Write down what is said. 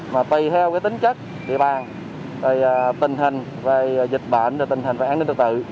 mà tùy theo cái tính chất địa bàn tình hình về dịch bệnh tình hình về an ninh tự tự